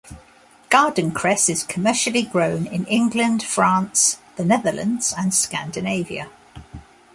Garden cress is commercially grown in England, France, the Netherlands and Scandinavia.